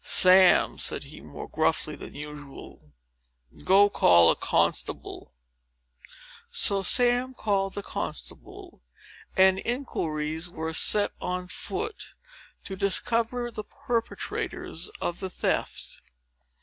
"Sam," said he, more gruffly than usual, "go call a constable." So Sam called a constable, and inquiries were set on foot to discover the perpetrators of the theft.